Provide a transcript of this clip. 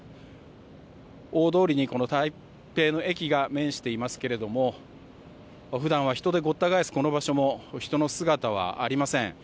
大通りに、この台北の駅が面していますけれども普段は人でごった返すこの場所も人の姿はありません。